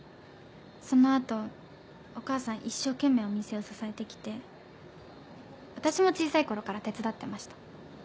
その後お母さん一生懸命お店を支えて来て私も小さい頃から手伝ってました。